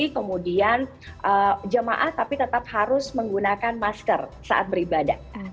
kemudian jemaah tapi tetap harus menggunakan masker saat beribadah